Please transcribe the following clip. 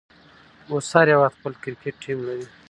اوس هر هيواد خپل کرکټ ټيم لري.